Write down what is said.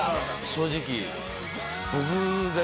正直。